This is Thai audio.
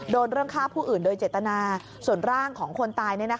โดนเริ่มฆ่าผู้อื่นโดยเจตนาส่วนร่างของคนตายเนี้ยนะคะ